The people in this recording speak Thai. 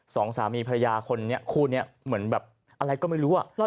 สองสามีภรรยาคุณนี้เหมือนอะไรก็ไม่รู้